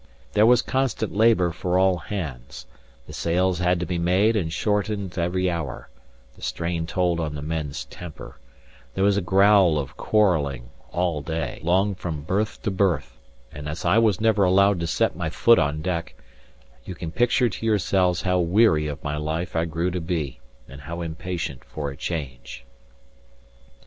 There was constant labour for all hands; the sails had to be made and shortened every hour; the strain told on the men's temper; there was a growl of quarrelling all day long from berth to berth; and as I was never allowed to set my foot on deck, you can picture to yourselves how weary of my life I grew to be, and how impatient for a change.